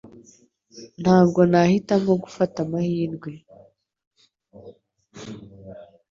Ntabwo nahitamo gufata amahirwe